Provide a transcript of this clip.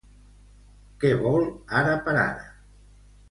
Què vol ara per ara?